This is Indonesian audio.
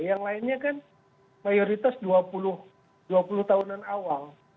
yang lainnya kan mayoritas dua puluh tahunan awal